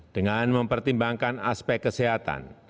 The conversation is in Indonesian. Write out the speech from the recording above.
dengan mempertimbangkan aspek kesehatan